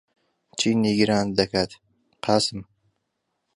چی نیگەرانت دەکات، قاسم؟